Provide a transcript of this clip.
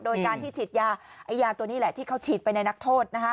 โดยการที่ฉีดยาไอ้ยาตัวนี้แหละที่เขาฉีดไปในนักโทษนะคะ